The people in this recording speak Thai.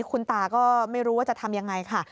คุณตาก็ไม่รู้ว่าจะทำยังไงค่ะ